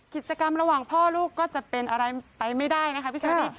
กิจกรรมระหว่างพ่อลูกก็จะเป็นอะไรไปไม่ได้นะคะพี่เชอรี่